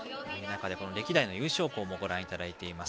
歴代の優勝校をご覧いただいています。